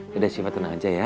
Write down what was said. yaudah coba tenang aja ya